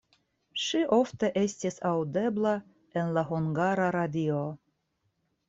Ŝi ofte estis aŭdebla en la Hungara Radio.